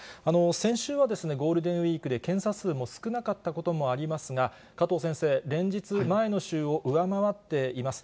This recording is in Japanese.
先週はゴールデンウィークで、検査数も少なかったこともありますが、加藤先生、連日、前の週を上回っています。